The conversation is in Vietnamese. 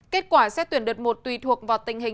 kết quả xét tuyển đợt một tùy thuộc vào tình hình